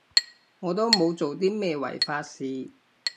我都冇做啲咩違法事